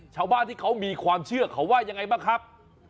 ชาวบ้านที่เขามีความเชื่อเขาว่ายังไงบ้างครับ